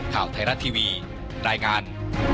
ข่าวไทยรัฐทีวีรายงาน